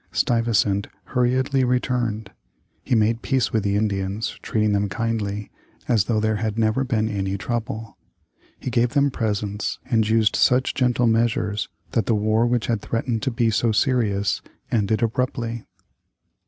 Stuyvesant hurriedly returned. He made peace with the Indians, treating them kindly, as though there had never been any trouble. He gave them presents, and used such gentle measures that the war which had threatened to be so serious ended abruptly.